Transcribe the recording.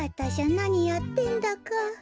なにやってんだか。